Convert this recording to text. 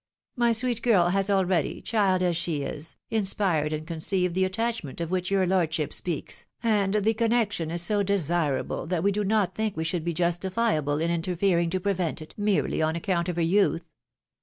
My sweet girl has already, child as she is, inspired and conceived the attachment of which your lordship speaks, and the connection is so desirable, that we do not think we should be justifiable in interfering to prevent it, merely on account of her youth.